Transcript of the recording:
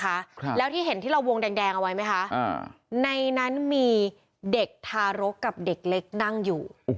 ครับแล้วที่เห็นที่เราวงแดงแดงเอาไว้ไหมคะอ่าในนั้นมีเด็กทารกกับเด็กเล็กนั่งอยู่